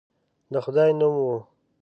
د خدای نوم وو.